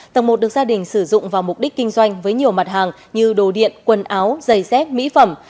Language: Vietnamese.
tầng một được gia đình sử dụng vào mục đích kinh doanh với nhiều mặt hàng như đồ điện quần áo giày dép mỹ phẩm